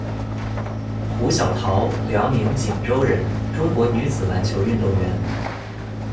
胡晓桃，辽宁锦州人，中国女子篮球运动员。